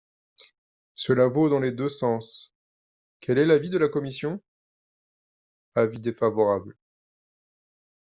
Cela vaut dans les deux sens ! Quel est l’avis de la commission ? Avis défavorable.